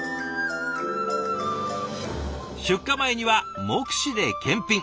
出荷前には目視で検品。